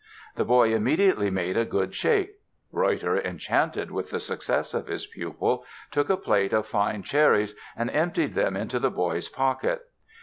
The boy immediately made a good shake. Reutter, enchanted with the success of his pupil, took a plate of fine cherries and emptied them into the boy's pocket.